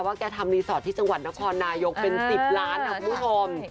แกทำรีสอร์ทที่จังหวัดนครนายกเป็น๑๐ล้านค่ะคุณผู้ชม